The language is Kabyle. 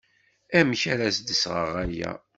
Amek ara d-sɣeɣ aya?